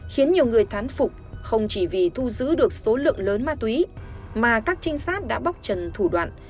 khiến nhiều người thán phục không chỉ vì thu giữ được số lượng lớn ma túy mà các trinh sát đã bóc trần thủ đoạn